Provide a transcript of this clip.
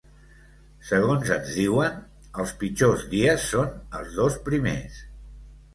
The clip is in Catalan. Segons ens diuen els pitjors dies són els dos primers.